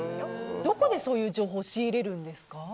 どこでそういう情報仕入れるんですか？